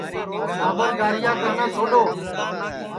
ٹاٻر گاریا کرنا چھوڈؔون